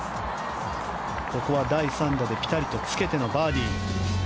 ここは第３打でピタリとつけてのバーディー。